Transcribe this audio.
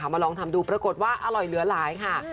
มาลองทำดูปรากฏว่าอร่อยเหลือหลายค่ะ